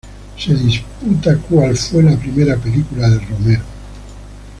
Se disputa cuál fue la primera película de Romero.